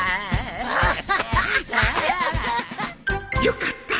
よかった。